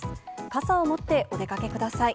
傘を持ってお出かけください。